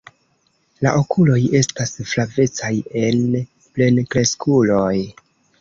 La okuloj estas flavecaj en plenkreskuloj.